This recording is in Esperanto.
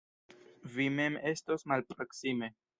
Vi mem estos malproksime.